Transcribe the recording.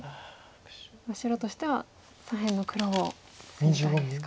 白としては左辺の黒を攻めたいですか。